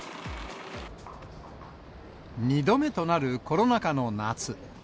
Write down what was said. ２度目となるコロナ禍の夏。